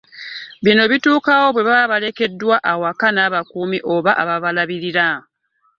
Bino bituukawo bwe baba balekeddwa awaka n'abakuumi oba ababalabirira.